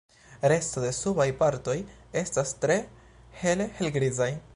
Resto de subaj partoj estas tre hele helgrizaj.